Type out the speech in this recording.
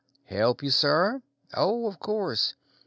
"Help you, sir? Oh, of course.